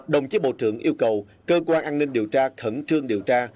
đồng chí bộ trưởng yêu cầu cơ quan an ninh điều tra khẩn trương điều tra